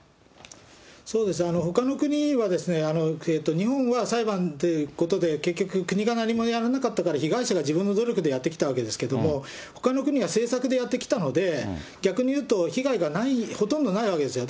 ほかの国は、日本は裁判ということで結局、国が何もやらなかったから、被害者が自分の努力でやってきたわけですけれども、ほかの国は政策でやってきたので、逆に言うと、被害がほとんどないわけですよ。